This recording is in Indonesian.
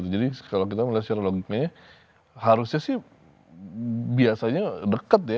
jadi kalau kita melihat secara logiknya harusnya sih biasanya dekat ya